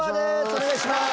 お願いします。